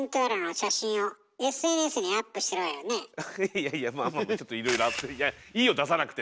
いやいやまあまあちょっといろいろあっていやいいよ出さなくて！